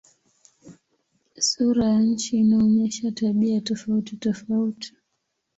Sura ya nchi inaonyesha tabia tofautitofauti.